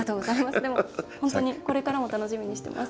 でも、本当にこれからも楽しみにしてます。